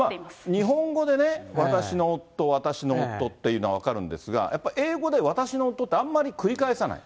日本語でね、私の夫、わたくしのおっとというのは分かるんですが、やっぱ英語で私の夫ってあんまり繰り返さない？